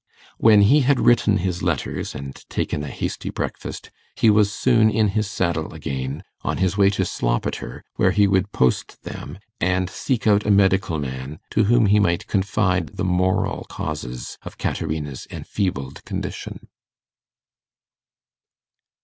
When he had written his letters and taken a hasty breakfast, he was soon in his saddle again, on his way to Sloppeter, where he would post them, and seek out a medical man, to whom he might confide the moral causes of Caterina's enfeebled condition.